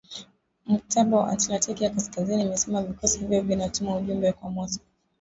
mkataba wa atlantiki ya kaskazini imesema vikosi hivyo vinatuma ujumbe kwa Moscow